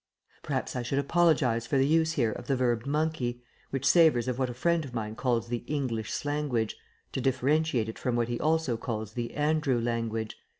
Perhaps I should apologize for the use here of the verb monkey, which savors of what a friend of mine calls the "English slanguage," to differentiate it from what he also calls the "Andrew Language."